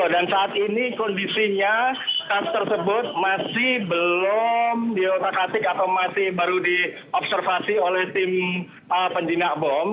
dan saat ini kondisinya tas tersebut masih belum diotak atik atau masih baru diobservasi oleh tim penjinak bom